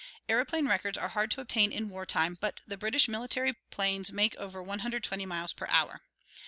Aeroplane records are hard to obtain in war time, but the British military 'planes make over 120 miles per hour.